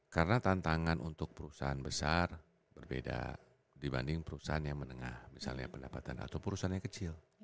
karena tantangan untuk perusahaan besar berbeda dibanding perusahaan yang menengah misalnya pendapatan atau perusahaan yang kecil